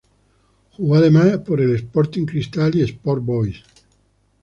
Jugó además por el Sporting Cristal y Sport Boys.